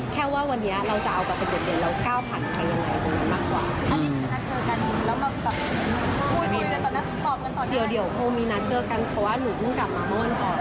แต่ว่าตอนอยู่ต่างประเทศก็พวกหนูกลงไปร้อง